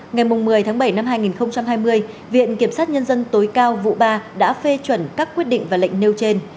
ngày một mươi tháng bảy năm hai nghìn hai mươi viện kiểm sát nhân dân tối cao vụ ba đã phê chuẩn các quyết định và lệnh nêu trên